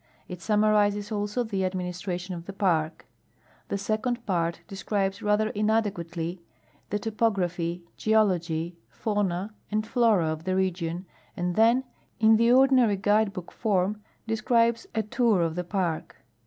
. It summarizes also the administration of the park. The second part describes rather inadequately the topography, geology, fauna and flora of the region, and then, in the ordinary guide book form, de scribes "a tour of the park."